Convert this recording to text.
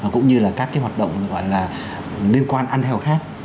cũng như các hoạt động liên quan ăn heo khác